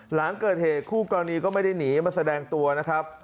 หลังเกิดเหตุคู่กรณีก็ไม่ได้หนีมาแสดงตัวนะครับ